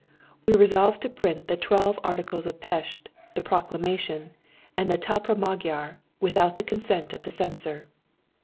We resolved to print the Twelve Articles of Pest, the Proclamation, and the "Talpra Magyar" without the consent of the censor.